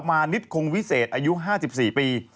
มานิดคงวิเศษอายุ๕๔ปี